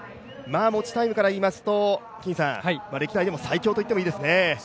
持ちタイムからいいますと歴代でも最強といってもいいですね。